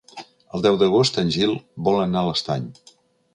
El deu d'agost en Gil vol anar a l'Estany.